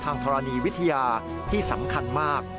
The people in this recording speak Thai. ธรณีวิทยาที่สำคัญมาก